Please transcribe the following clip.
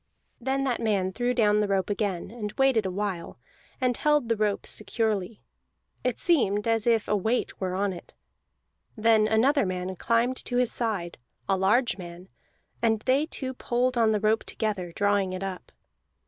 Then that man threw down the rope again, and waited a while, and held the rope securely; it seemed as if a weight were on it. Then another man climbed to his side, a large man, and they two pulled on the rope together, drawing it up.